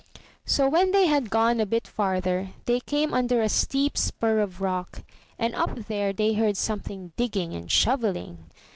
So when they had gone a bit farther, they came under a steep spur of rock, and up there they heard something digging and shovelHng.